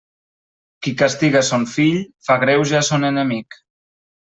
Qui castiga son fill, fa greuge a son enemic.